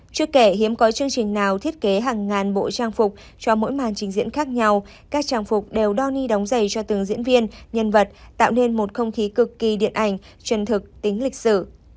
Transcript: chưa kể hiếm có chương trình nào thiết kế hàng ngàn bộ trang phục cho mỗi màn trình diễn khác nhau các trang phục đều đo ni đóng giày cho từng diễn viên nhân vật tạo nên một không khí cực kỳ điện ảnh chân thực tính lịch sử